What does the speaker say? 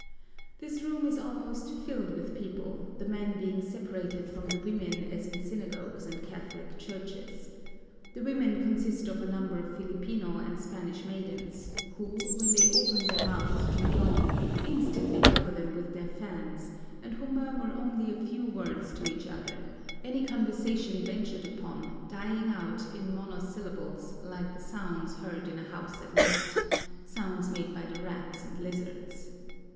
This room is almost filled with people, the men being separated from the women as in synagogues and Catholic churches. The women consist of a number of Filipino and Spanish maidens, who, when they open their mouths to yawn, instantly cover them with their fans and who murmur only a few words to each other, any conversation ventured upon dying out in monosyllables like the sounds heard in a house at night, sounds made by the rats and lizards.